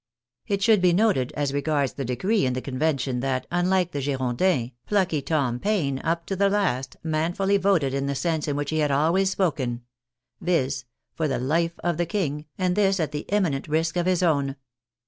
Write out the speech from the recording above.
It should be noted, as regards the decree in the Convention, that, unlike the Girondins, plucky Tom Paine, up to the last, manfully voted in the sense in which he had always spoken, viz., for the life of the King, and this at the imminent risk of his own.